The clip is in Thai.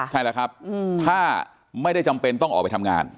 ใช่แล้วครับถ้าไม่ได้จำเป็นต้องออกไปทำงาน